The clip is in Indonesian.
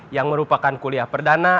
yang merupakan kuliah perdana